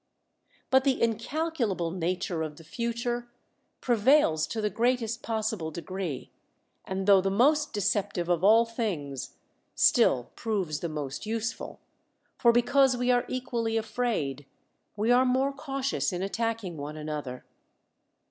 But the incalculable nature of the future prevails to the greatest j)Ossible degree ; and tho the most decep tive of all things, still proves the most useful ; for because we are equally afraid, we are more cautious in attacking one another.